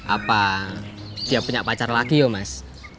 apa dia punya pacar lagi ya mas